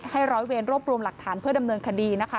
ร้อยเวรรวบรวมหลักฐานเพื่อดำเนินคดีนะคะ